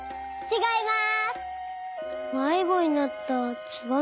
ちがいます。